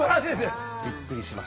びっくりしました。